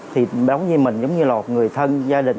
thì đống như mình giống như là một người thân